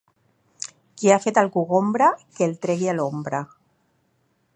Qui ha fet el cogombre, que el tregui a l'ombra.